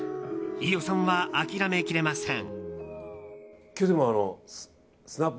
飯尾さんは諦めきれません。